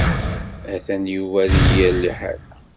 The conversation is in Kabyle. Atan Yuba deg yir liḥala.